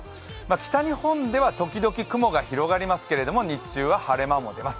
北日本では時々雲が広がりますけれども、日中は晴れ間も出ます。